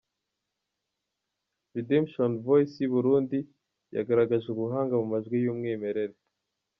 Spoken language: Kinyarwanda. Redemption Voice y'i Burundi yagaragaje ubuhanga mu majwi y'umwimerere.